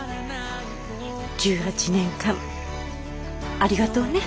１８年間ありがとうね。